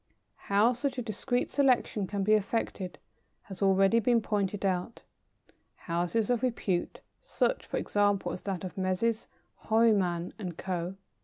How such a discreet selection can be effected has already been pointed out. Houses of repute such, for example, as that of Messrs. Horniman and Co.